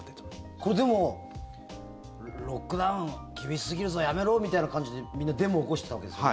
これ、でもロックダウン厳しすぎるぞやめろみたいな感じでみんなデモを起こしていたわけですよね。